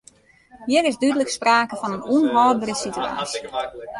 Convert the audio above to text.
Hjir is dúdlik sprake fan in ûnhâldbere sitewaasje.